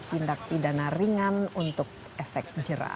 tindak pidana ringan untuk efek jerah